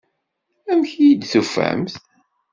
Amek iyi-d-tufamt?